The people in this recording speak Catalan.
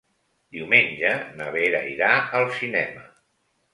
Diumenge na Vera irà al cinema.